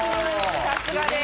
さすがです！